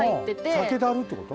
さけだるってこと？